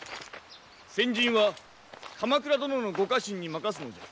先陣は鎌倉殿のご家臣に任すのじゃ。